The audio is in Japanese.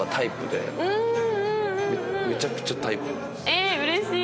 ええーうれしい！